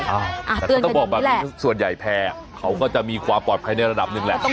อะเตือนกันตรงนี้แหละแสดงต้องบอกว่าส่วนใหญ่แพร่เขาก็จะมีความปลอดภัยในระดับหนึ่งแหละ